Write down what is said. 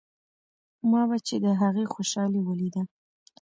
ما به چې د هغې خوشالي وليده.